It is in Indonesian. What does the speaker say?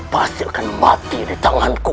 pasti akan mati di tanganku